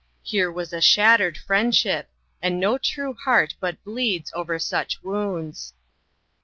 Here was a shattered friendship; and no true heart but bleeds over such wounds.